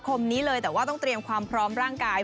คมนี้เลยแต่ว่าต้องเตรียมความพร้อมร่างกาย